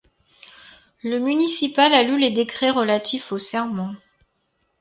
Le Municipal a lu les décrets relatif au serment.